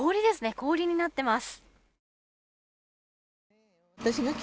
氷になっています。